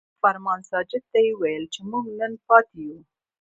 او فرمان ساجد ته يې وويل چې مونږ نن پاتې يو ـ